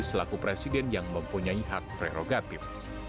selaku presiden yang mempunyai hak prerogatif